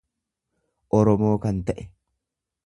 Oromoo kan ta'e.